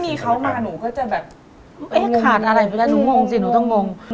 มีเขามาหนูก็จะแบบเอ๊ะขาดอะไรไปแล้วหนูงงสิหนูต้องงง